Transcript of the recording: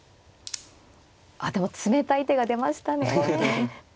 あでも冷たい手が出ましたね。